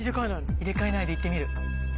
入れ替えないで行ってみる。